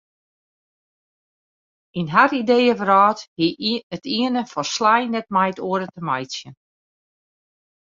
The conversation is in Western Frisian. Yn har ideeëwrâld hie it iene folslein net met it oare te meitsjen.